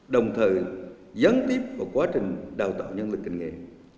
đồng thời gián tiếp vào quá trình đào tạo nhân lực kinh nghệ